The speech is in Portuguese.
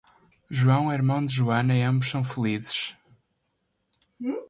João é irmão de joana e ambos são felizes